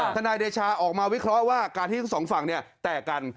นายเดชาออกมาวิเคราะห์ว่าการที่ทั้งสองฝั่งเนี่ยแตกกัน